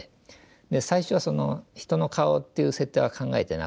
で最初は人の顔っていう設定は考えてなくてですね